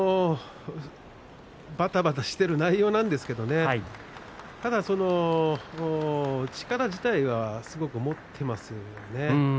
ばたばたしている内容なんですけどもただ、力自体はすごく持っていますね。